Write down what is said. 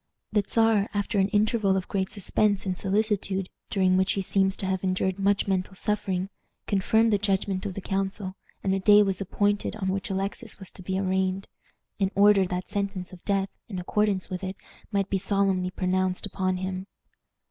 The Czar, after an interval of great suspense and solicitude, during which he seems to have endured much mental suffering, confirmed the judgment of the council, and a day was appointed on which Alexis was to be arraigned, in order that sentence of death, in accordance with it, might be solemnly pronounced upon him.